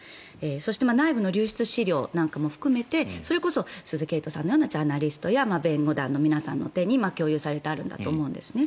そして内部の流出資料なんかも含めてそれこそ鈴木エイトさんなどのジャーナリストや弁護団の皆さんの手に共有されているんだと思うんですね。